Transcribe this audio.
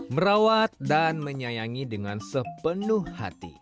merawat dan menyayangi dengan sepenuh hati